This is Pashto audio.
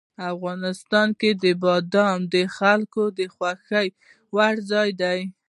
افغانستان کې بادام د خلکو د خوښې وړ ځای دی.